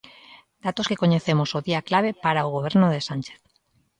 Datos que coñecemos o día clave para o Goberno de Sánchez.